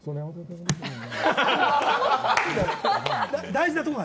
大事なところ。